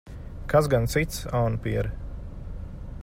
Kas gan cits, aunapiere?